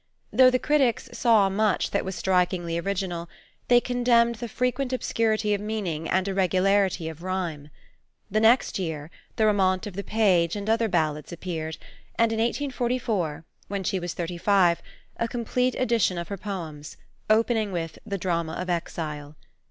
Though the critics saw much that was strikingly original, they condemned the frequent obscurity of meaning and irregularity of rhyme. The next year, The Romaunt of the Page and other ballads appeared, and in 1844, when she was thirty five, a complete edition of her poems, opening with the Drama of Exile.